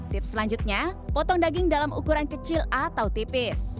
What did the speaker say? tips selanjutnya potong daging dalam ukuran kecil atau tipis